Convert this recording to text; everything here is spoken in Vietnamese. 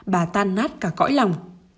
bà tan nát cả cõi lòng